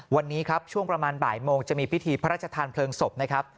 วันนี้ครับช่วงประมาณบ่ายโมงจะมีพิธีพระราชทานเพลิงศพนะครับ